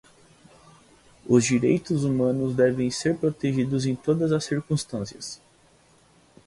Os direitos humanos devem ser protegidos em todas as circunstâncias.